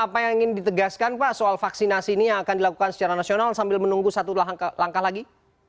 apa yang ingin ditegaskan pak soal vaksinasi ini yang akan dilakukan secara nasional sambil menunggu satu langkah lagi